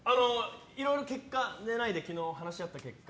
いろいろ昨日寝ないで話し合った結果。